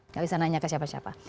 nggak bisa nanya ke siapa siapa